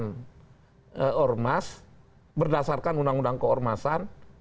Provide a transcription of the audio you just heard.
bisa tidak membubarkan ormas berdasarkan undang undang keormasan